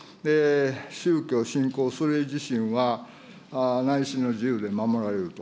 宗教、信仰、それ自身は、内心の自由で守られると。